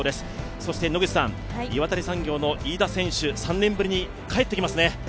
そして岩谷産業の飯田選手、３年ぶりに帰って来ますね。